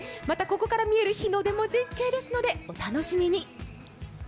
また、ここから見える日の出も絶景ですのでお楽しみに。